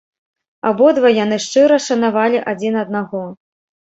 Абодва яны шчыра шанавалі адзін аднаго.